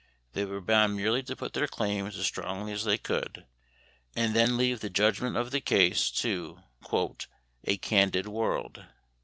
They were bound merely to put their claims as strongly as they could, and then leave the judgment of the case to "a candid world."